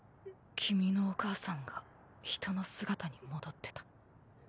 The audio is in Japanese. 君のお母さんが人の姿に戻ってた。